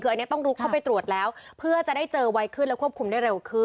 คืออันนี้ต้องลุกเข้าไปตรวจแล้วเพื่อจะได้เจอไวขึ้นและควบคุมได้เร็วขึ้น